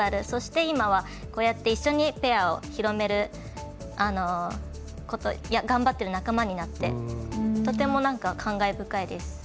そして今は、こうやって一緒にペアを広めることを頑張っている仲間になってとても感慨深いです。